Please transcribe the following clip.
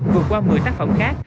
vượt qua một mươi tác phẩm khác